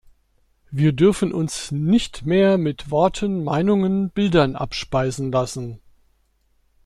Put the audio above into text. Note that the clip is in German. Wir dürfen uns nicht mehr mit Worten, Meinungen, Bildern abspeisen lassen.